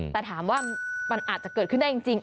แต่ถามว่ามันอาจจะเกิดขึ้นได้จริง